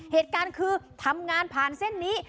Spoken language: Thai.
เหตุการณ์คือทำงานผ่านเส้นนี้